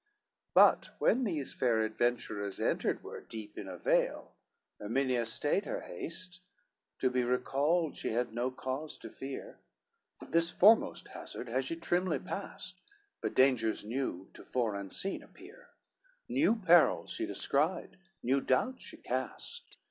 XCVII But when these fair adventurers entered were Deep in a vale, Erminia stayed her haste, To be recalled she had no cause to fear, This foremost hazard had she trimly past; But dangers new, tofore unseen, appear, New perils she descried, new doubts she cast.